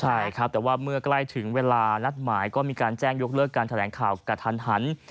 ใช่ครับแต่ว่าเมื่อใกล้ถึงเวลานัดหมายก็มีการแจ้งยกเลิกการแถลงข่าวกระทันหัน